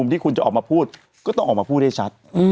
ที่คุณจะออกมาพูดก็ต้องออกมาพูดให้ชัด